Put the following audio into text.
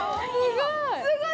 すごい。